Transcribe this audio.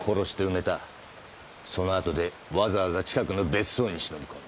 その後でわざわざ近くの別荘に忍び込んだ。